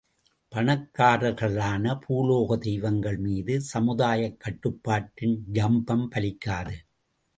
பணக்காரர்களான பூலோகத் தெய்வங்கள் மீது சமுதாயக் கட்டுப்பாட்டின் ஜம்பம் பலிக்காது.